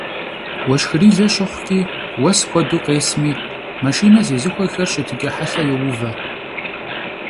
Уэшхырилэ щыхъукӀи, уэс куэду къесми, машинэ зезыхуэхэр щытыкӀэ хьэлъэ йоувэ.